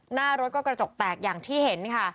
หน้ารถก็กระจกแตกอย่างที่เห็นค่ะ